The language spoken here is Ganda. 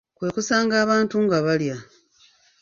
Kwe kusanga abantu nga balya.